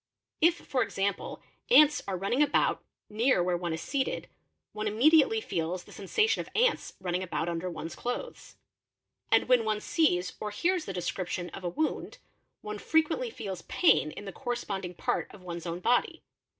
If for example ants are running about near where one is seated, one immediately feels the sens ation of ants running about under one's clothes; and when one sees or hears the description of a wound, one frequently feels pain in the corresponding part of one's own body.